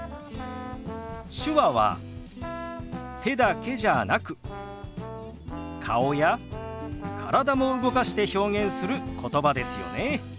手話は手だけじゃなく顔や体も動かして表現することばですよね。